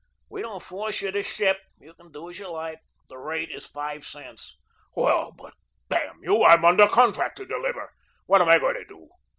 "We don't force you to ship. You can do as you like. The rate is five cents." "Well but damn you, I'm under contract to deliver. What am I going to do?